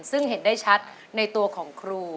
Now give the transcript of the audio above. ซึ่งเห็นได้ชัดในตัวของครู